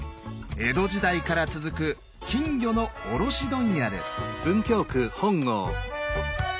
江戸時代から続く金魚の卸問屋です。